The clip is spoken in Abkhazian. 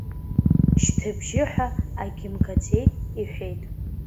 Шьҭыбжьы ҳәа агьымгаӡеит, — иҳәеит.